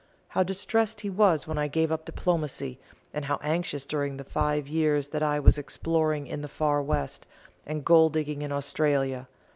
How distressed he was when I gave up diplomacy, and how anxious during the five years that I was exploring in the Far West and gold digging in Australia!